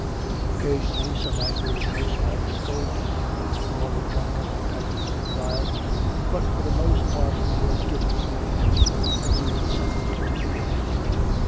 Occasionally some angry housewife scolded him, or a drunken peasant reviled him, but for the most part he was given food and drink and even something to take with him.